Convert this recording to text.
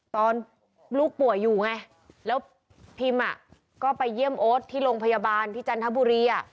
ตอนลูกป่วยอยู่ไงแล้วพิมก็ไปเยี่ยมโอ๊ตที่โรงพยาบาลที่จันทบุรี